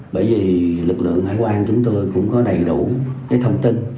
bởi vì lực lượng hải quan chúng tôi cũng có đầy đủ thông tin